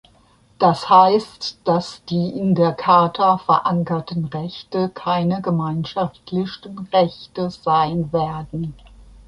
Das heißt, dass die in der Charta verankerten Rechte keine gemeinschaftlichen Rechte sein werden.